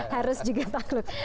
harus juga takluk